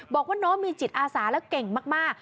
บอกว่าน้องมีจิตอาสาและเก่งมาก